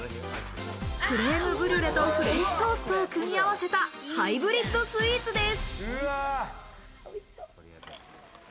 クレームブリュレとフレンチトーストを組み合わせたハイブリッドスイーツです。